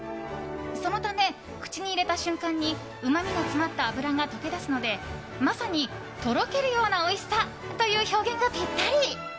そのため口に入れた瞬間にうまみの詰まった脂が溶け出すのでまさに、とろけるようなおいしさという表現がぴったり。